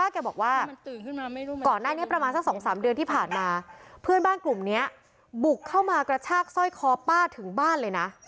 แกบอกว่าก่อนหน้านี้ประมาณสัก๒๓เดือนที่ผ่านมาเพื่อนบ้านกลุ่มนี้บุกเข้ามากระชากสร้อยคอป้าถึงบ้านเลยนะ